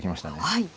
はい。